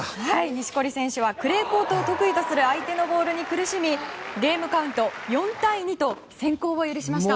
錦織選手はクレーコートを得意とする相手に苦しみゲームカウント４対２と先行を許しました。